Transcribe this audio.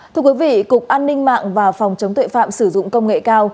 thưa quý vị cục an ninh mạng và phòng chống tuệ phạm sử dụng công nghệ cao